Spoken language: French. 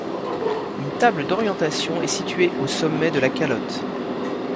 Une table d'orientation est située au sommet de la calotte.